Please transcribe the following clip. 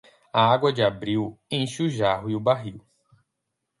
A água de abril enche o jarro e o barril.